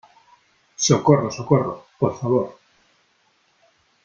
¡ socorro , socorro !¡ por favor !